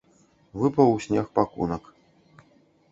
Выпаў у снег пакунак.